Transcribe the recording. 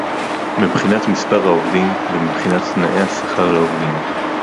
מבחינת מספר העובדים ומבחינת תנאי השכר לעובדים